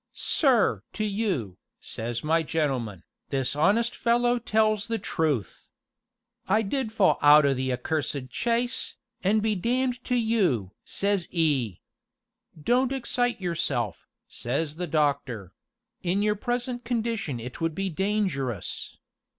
'Sir! to you,' says my gentleman, 'this honest fellow tells the truth. I did fall out o' the accursed chaise an' be damned to you!' says 'e. 'Don't excite yourself,' says the doctor; 'in your present condition it would be dangerous.'